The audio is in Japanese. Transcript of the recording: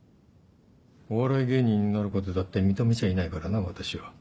お笑い芸人になることだって認めちゃいないからな私は。